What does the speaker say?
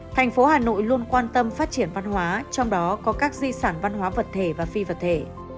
thành phố hà nội luôn quan tâm phát triển văn hóa trong đó có các di sản văn hóa vật thể và phi vật thể